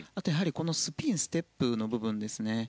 スピン、ステップの部分ですね。